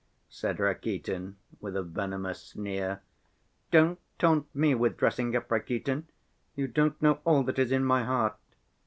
said Rakitin, with a venomous sneer. "Don't taunt me with dressing up, Rakitin, you don't know all that is in my heart!